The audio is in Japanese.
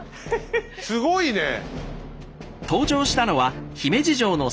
すごいねえ。